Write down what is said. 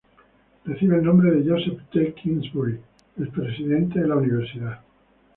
Recibe el nombre de Joseph T. Kingsbury, expresidente de la Universidad.